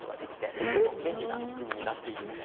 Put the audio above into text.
とても便利な仕組みになっているんです。